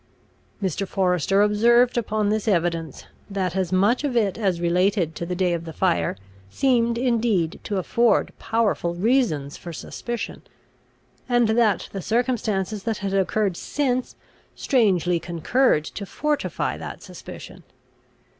Mr. Forester observed upon this evidence, that as much of it as related to the day of the fire seemed indeed to afford powerful reasons for suspicion; and that the circumstances that had occurred since strangely concurred to fortify that suspicion.